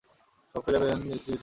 সব ফেলে গেলেন, কিছুই সঙ্গে নিলেন না।